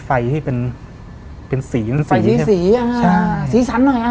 ไฟสีสีสีสั้นอยุ่ง